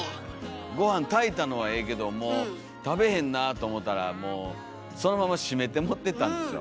ごはん炊いたのはええけども食べへんなと思ったらもうそのまま閉めてもってたんですよ。